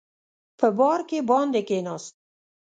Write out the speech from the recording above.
په بارکي باندې کېناست.